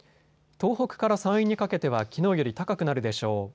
東北から山陰にかけてはきのうより高くなるでしょう。